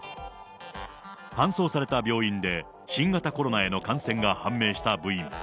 搬送された病院で新型コロナへの感染が判明した部員。